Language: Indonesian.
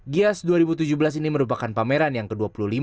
gias dua ribu tujuh belas ini merupakan pameran yang ke dua puluh lima